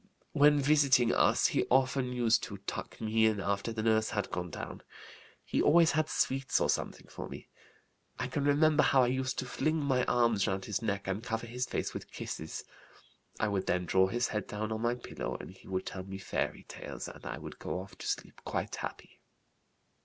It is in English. When visiting us he often used to 'tuck me in' after the nurse had gone down. He always had sweets or something for me. I can remember how I used to fling my arms round his neck and cover his face with kisses. I would then draw his head down on my pillow and he would tell me fairy tales and I would go off to sleep quite happy.